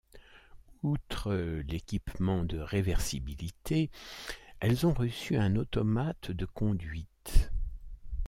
Outre l’équipement de réversibilité, elles ont reçu un automate de conduite.